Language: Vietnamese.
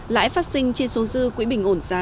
lãi phát sinh trên số dư quỹ bình ổn giá